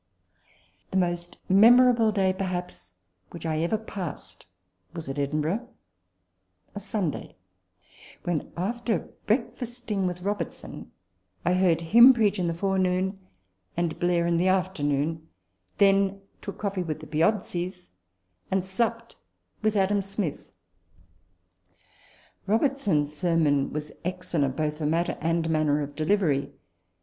The most memorable day perhaps which I ever passed was at Edinburgh a Sunday ; when, after 24 RECOLLECTIONS OF THE breakfasting with Robertson, I heard him preach in the forenoon and Blair in the afternoon, then took coffee with the Piozzis, and supped with Adam Smith. Robertson's sermon was ex cellent both for matter and manner of delivery.